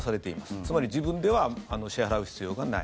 つまり自分では支払う必要がない。